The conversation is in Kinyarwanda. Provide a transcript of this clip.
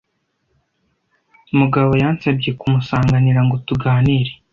Mugabo yansabye kumusanganira ngo tuganire